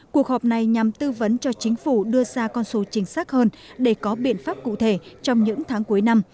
cuộc họp này nhằm tư vấn cho chính phủ đưa ra con số chính xác hơn để có biện pháp cụ thể trong những tháng cuối năm